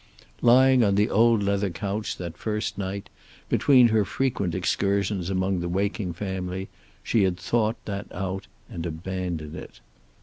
Lying on the old leather couch that first night, between her frequent excursions among the waking family, she had thought that out and abandoned it.